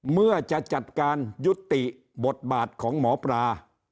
เมื่อจะจัดการยุติบทบาทของหมอปลา